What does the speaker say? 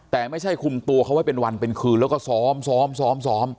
แต่ไม่ใช่คุมตัวเขาไว้เป็นวันเป็นคืนแล้วก็ซ้อมซ้อม